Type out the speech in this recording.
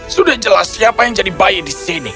sudah jelas siapa yang jadi bayi di sini